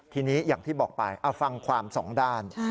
ทีนี้อย่างที่บอกไปเอาฟังความสองด้าน